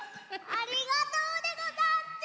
ありがとうでござんちゅ！